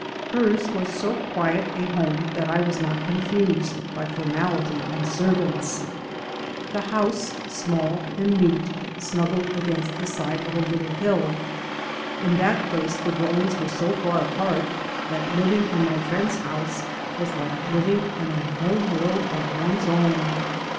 Hers was so quiet a home that I was not confused by formality and servants. The house, small and neat, snuggled against 3 by Google MY MOTHER AND I the side of a little hiU. In that place the dwellings were so far apart that living in my friend's house was like living in a home world of one's own.